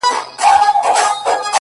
له آمو تر ننګرهاره